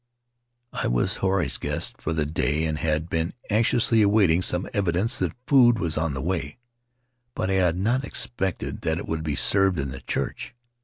I was Huirai's guest for the day, and had been anx iously awaiting some evidence that food was on the way; but I had not expected that it would be served in the church.